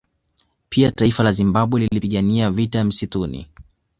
Pia taifa la Zimbabwe lilipigana vita ya Msituni